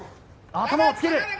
頭をつける。